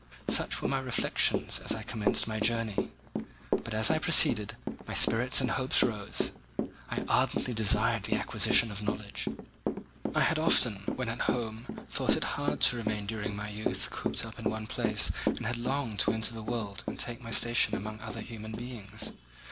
Such were my reflections as I commenced my journey; but as I proceeded, my spirits and hopes rose. I ardently desired the acquisition of knowledge. I had often, when at home, thought it hard to remain during my youth cooped up in one place and had longed to enter the world and take my station among other human beings.